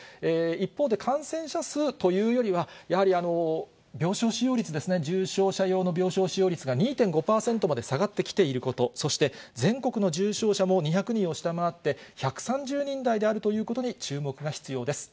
一方で、感染者数というよりは、やはり病床使用率ですね、重症者用の病床使用率が２．５％まで下がってきていること、そして全国の重症者も２００人を下回って、１３０人台であるということに、注目が必要です。